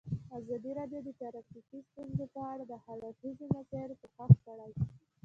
ازادي راډیو د ټرافیکي ستونزې په اړه د هر اړخیزو مسایلو پوښښ کړی.